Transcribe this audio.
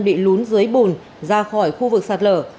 bị lún dưới bùn ra khỏi khu vực sạt lở